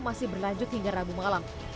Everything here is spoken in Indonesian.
masih berlanjut hingga rabu malam